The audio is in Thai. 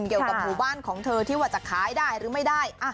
หมู่บ้านของเธอที่ว่าจะขายได้หรือไม่ได้